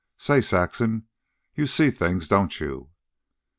Say, Saxon, you see things, don't you?"